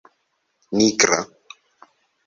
nigra